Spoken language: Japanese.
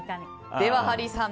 ではハリーさん